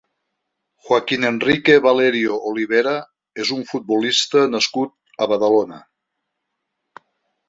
Joaquín Enrique Valerio Olivera és un futbolista nascut a Badalona.